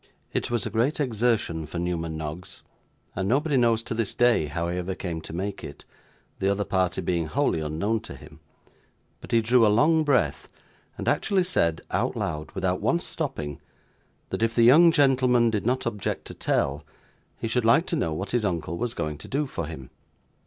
It was a great exertion for Newman Noggs, and nobody knows to this day how he ever came to make it, the other party being wholly unknown to him, but he drew a long breath and actually said, out loud, without once stopping, that if the young gentleman did not object to tell, he should like to know what his uncle was going to do for him.